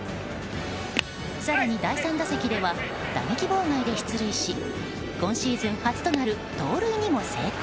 更に第３打席では打撃妨害で出塁し今シーズン初となる盗塁にも成功。